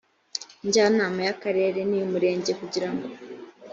njyanama y akarere n iy umurenge kugira ngo